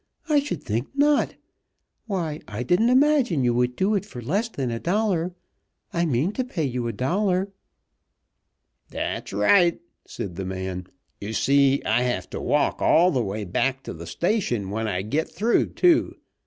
"I should think not! Why, I didn't imagine you would do it for less than a dollar. I mean to pay you a dollar." "That's right," said the man. "You see I have to walk all the way back to the station when I git through, too.